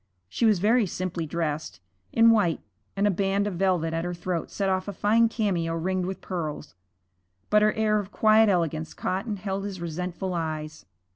She was very simply dressed, in white, and a band of velvet at her throat set off a fine cameo ringed with pearls, but her air of quiet elegance caught and held his resentful eyes.